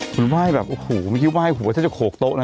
คุณไหว้แบบโอ้หูไม่คิดว่าไหว้หูว่าจะโขกโต๊ะแล้ว